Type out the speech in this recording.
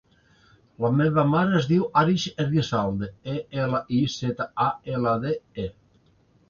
La meva mare es diu Arij Elizalde: e, ela, i, zeta, a, ela, de, e.